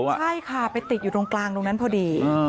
ใช่ค่ะไปติดอยู่ตรงกลางตรงนั้นพอดี